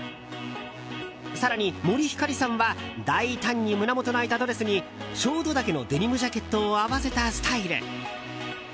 更に、森星さんは大胆に胸元の開いたドレスにショート丈のデニムジャケットを合わせたスタイル。